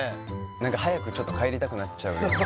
何か早くちょっと帰りたくなっちゃうような・